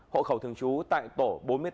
hộ khẩu thường chú tại tổ bốn mươi tám